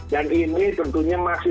dan ini tentunya masih